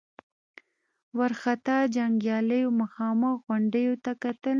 وارخطا جنګياليو مخامخ غونډيو ته کتل.